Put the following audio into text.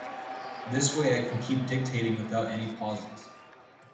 This way I can keep dictating without any pauses.